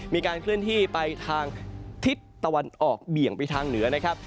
มีการเคลื่อนที่ไปทางทิศตะวันออกเบี่ยงไปทางเหนือนะครับ